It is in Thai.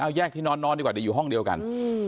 เอาแยกที่นอนดีกว่าเดี๋ยวอยู่ห้องเดียวกัน